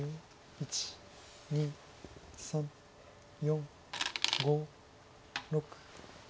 １２３４５６。